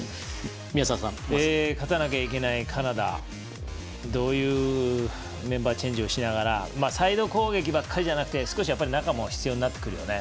勝たなきゃいけないカナダどういうメンバーチェンジをしながらサイド攻撃ばっかりじゃなくて少し中も必要になってくるよね。